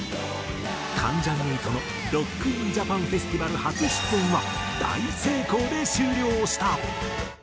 関ジャニ∞の「ＲＯＣＫＩＮＪＡＰＡＮＦＥＳＴＩＶＡＬ」初出演は大成功で終了した！